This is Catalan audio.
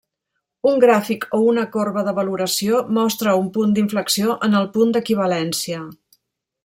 Un gràfic o una corba de valoració mostra un punt d'inflexió en el punt d'equivalència.